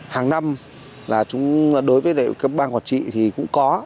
hàng năm là đối với các ban quản trị thì cũng có